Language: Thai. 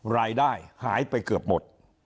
รายได้หายไปเกือบหมด